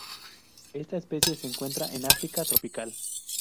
Esta especie se encuentra en África tropical.